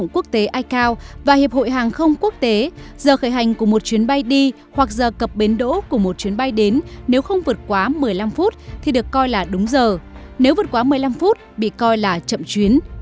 quốc tế icao và hiệp hội hàng không quốc tế giờ khởi hành của một chuyến bay đi hoặc giờ cập bến đỗ của một chuyến bay đến nếu không vượt quá một mươi năm phút thì được coi là đúng giờ nếu vượt quá một mươi năm phút bị coi là chậm chuyến